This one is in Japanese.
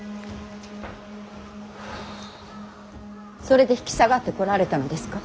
それで引き下がってこられたのですか。